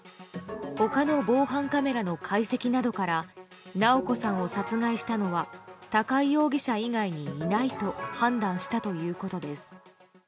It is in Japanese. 他の防犯カメラの解析などから直子さんを殺害したのは高井容疑者以外にいないと判断したということです。